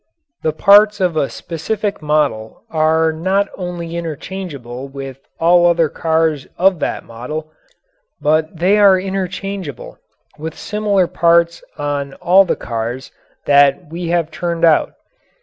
The parts of a specific model are not only interchangeable with all other cars of that model, but they are interchangeable with similar parts on all the cars that we have turned out.